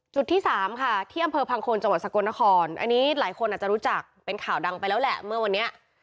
ที่สามค่ะที่อำเภอพังโคนจังหวัดสกลนครอันนี้หลายคนอาจจะรู้จักเป็นข่าวดังไปแล้วแหละเมื่อวันนี้